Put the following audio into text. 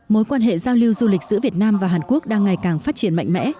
mối quan hệ giao lưu du lịch giữa việt nam và hàn quốc đang ngày càng phát triển mạnh mẽ